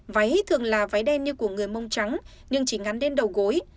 váy thường là váy đen như của người mông trắng nhưng chỉ ngắn đến đầu gối